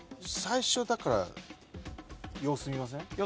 最初だから様子見ません？